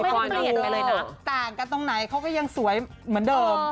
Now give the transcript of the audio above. เห็นไปเลยนะต่างกันตรงไหนเขาก็ยังสวยเหมือนเดิม